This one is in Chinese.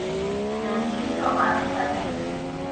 元至正二十三年。